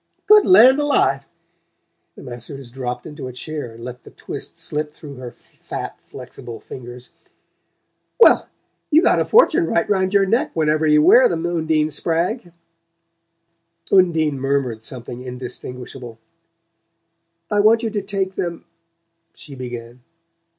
"Good land alive!" The masseuse dropped into a chair and let the twist slip through her fat flexible fingers. "Well, you got a fortune right round your neck whenever you wear them, Undine Spragg." Undine murmured something indistinguishable. "I want you to take them " she began.